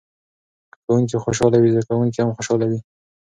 که ښوونکی خوشحاله وي زده کوونکي هم خوشحاله وي.